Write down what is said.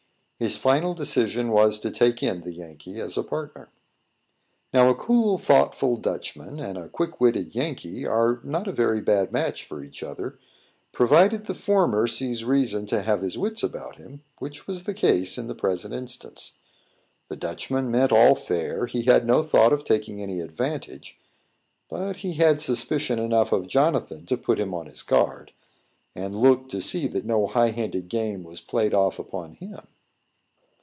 His final decision was to take in the Yankee as a partner. Now, a cool, thoughtful Dutchman, and a quick witted Yankee, are not a very bad match for each other, provided the former sees reason to have his wits about him, which was the case in the present instance. The Dutchman meant all fair; he had no thought of taking any advantage: but he had suspicion enough of Jonathan to put him on his guard, and look to see that no high handed game was played off upon him.